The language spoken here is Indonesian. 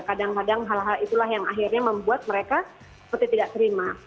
kadang kadang hal hal itulah yang akhirnya membuat mereka seperti tidak terima